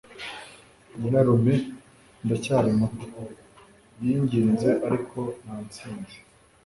nyirarume, ndacyari muto, yinginze ariko nta ntsinzi